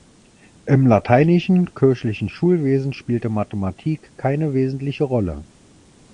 Im lateinischen, kirchlichen Schulwesen spielte Mathematik keine wesentliche Rolle.